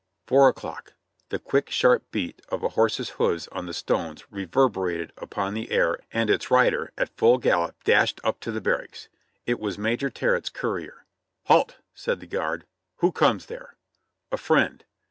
Four o'clock. The quick, sharp beat of a horse's hoofs on the stones reverberated upon the air and its rider, at full gallop, dashed up to the barracks. It was Major Territt's courier. "Halt," said the guard. "Who comes there?" "A friend."